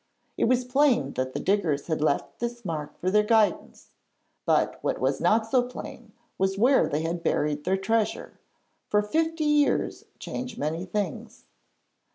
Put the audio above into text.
It was plain that the diggers had left this mark for their guidance, but what was not so plain was where they had buried their treasure, for fifty years change many things.